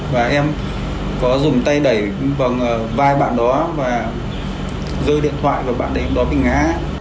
và em có dùng tay đẩy vào vai bạn đó và rơi điện thoại và bạn đấy lúc đó bị ngã